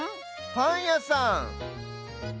パンやさん。